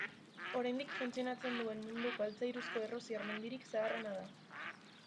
Oraindik funtzionatzen duen munduko altzairuzko errusiar mendirik zaharrena da.